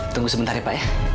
tunggu sebentar ya pak ya